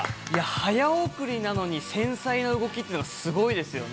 早送りなのに繊細な動きっていうのはすごいですね。